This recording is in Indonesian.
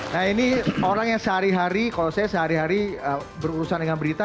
nah ini orang yang sehari hari kalau saya sehari hari berurusan dengan berita